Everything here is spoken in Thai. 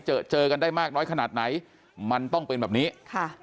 เจอเจอกันได้มากน้อยขนาดไหนมันต้องเป็นแบบนี้ค่ะ